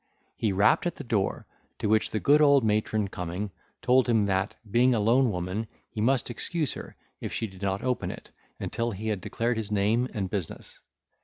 He rapped at the door, to which the good old matron coming, told him that, being a lone woman, he must excuse her, if she did not open it, until he had declared his name and business.